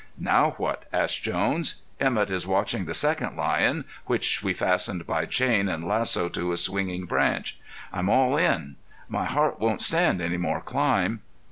"Now what?" asked Jones. "Emett is watching the second lion, which we fastened by chain and lasso to a swinging branch. I'm all in. My heart won't stand any more climb."